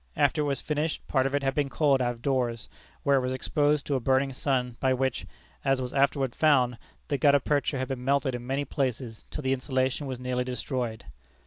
After it was finished, part of it had been coiled out of doors, where it was exposed to a burning sun, by which, as was afterward found, the gutta percha had been melted in many places till the insulation was nearly destroyed.